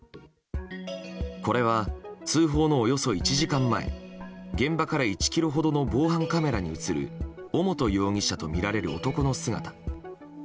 これは通報のおよそ１時間前現場から１ｋｍほどの防犯カメラに映る尾本容疑者とみられる男の姿。